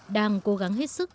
đang cố gắng hết sức